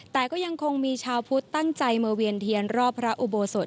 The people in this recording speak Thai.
แต่ก็ยังคงมีชาวพุทธตั้งใจมาเวียนเทียนรอบพระอุโบสถ